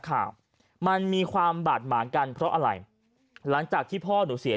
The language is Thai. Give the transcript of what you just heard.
ข่าวมันมีความบาดหมางกันเพราะอะไรหลังจากที่พ่อหนูเสีย